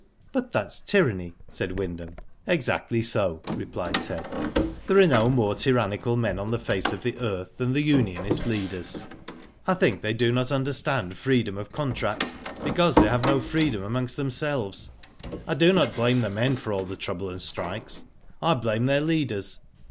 "But that's tyranny," said Wyndham. '/Exactly so," replied Ted. "There are no more tyrannical men on the face of the earth than the unionist leaders. I think they do not understand freedom of contract, because they have no freedom amongst themselves. I do not blame the men for all the trouble and strikes, I blame their leaders.